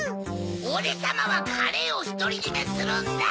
オレさまはカレーをひとりじめするんだ！